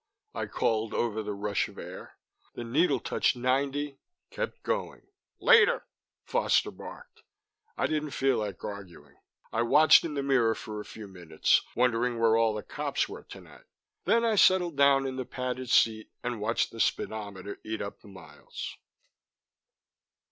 I called over the rush of air. The needle touched ninety, kept going. "Later," Foster barked. I didn't feel like arguing. I watched in the mirror for a few minutes, wondering where all the cops were tonight. Then I settled down in the padded seat and watched the speedometer eat up the miles.